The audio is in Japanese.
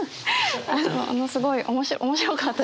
ものすごい面白かったです。